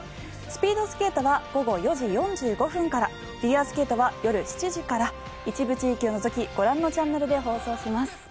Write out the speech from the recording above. スピードスケートは午後４時４５分からフィギュアスケートは夜７時から一部地域を除きご覧のチャンネルで放送します。